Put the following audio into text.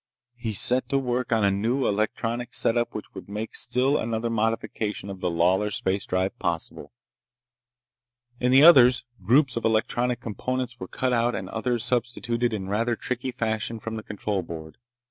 He set to work on a new electronic setup which would make still another modification of the Lawlor space drive possible. In the others, groups of electronic components were cut out and others substituted in rather tricky fashion from the control board.